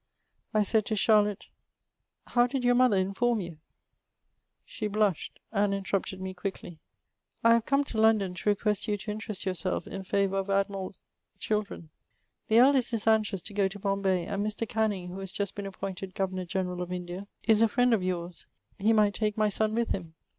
I said to Charlotte, '' How did your mother inform you ?''.... She blushed, and interrupted me quickly. ^*I have come to London to request you to in terest yourself in favour of Admiral *s children. The eldest IS anxious to go to Bombay, and Mr. Canning, who has just been appointed Governor* General of India, is a friend of yours : he might take my son with him.